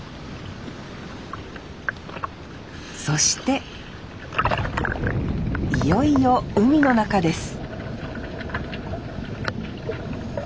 そしていよいよ海の中です